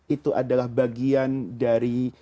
itu adalah bagian dari